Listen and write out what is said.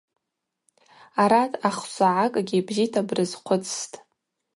Арат ахсогӏакӏгьи бзита брызхъвыцстӏ.